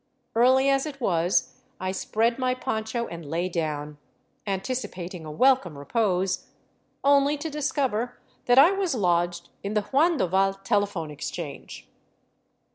Early as it was, I spread my poncho and lay down, anticipating a welcome repose — only to discover that I was 290 DRAWBACKS OF THE TRAIL lodged in the Huandoval telephone exchange!